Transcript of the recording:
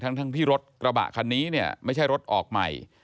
ทั้งที่รถกระบะคันนี้เนี่ยไม่ใช่รถออกใหม่